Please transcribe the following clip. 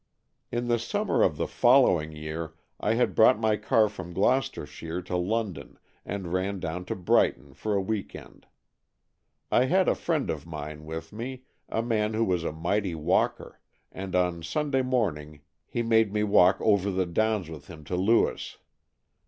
In the summer of the following year, I had brought my car from Gloucestershire to London, and ran down to Brighton for a week end. I had a friend of mine with me, a man who was a mighty walker, and on Sunday morning he made me walk over the Downs with him to Lewes.